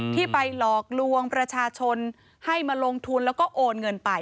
ที่ไปหลอกลวงประชาชนให้มาลงทุนแล้วก็โอนเงินไป